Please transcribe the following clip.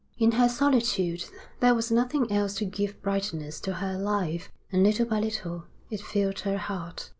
In her solitude there was nothing else to give brightness to her life, and little by little it filled her heart.